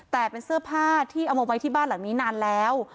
แต่เป็นเสื้อผ้าที่เอามาไว้ที่บ้านหลังนี้นานแล้ว